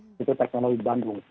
institut teknologi bandung